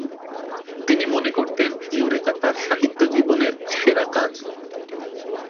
তিনি মনে করতেন ইউরেকা তাঁর সাহিত্যিকজীবনের সেরা কাজ।